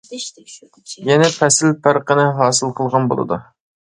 يەنى پەسىل پەرقىنى ھاسىل قىلغان بولىدۇ.